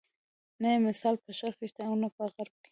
نه یې مثال په شرق کې شته او نه په غرب کې.